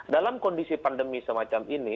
dalam kondisi pandemi semacam ini